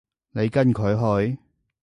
你跟佢去？